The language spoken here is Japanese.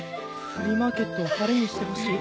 「フリーマーケットを晴れにしてほしい」。